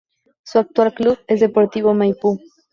Su actual club es Deportivo Maipú.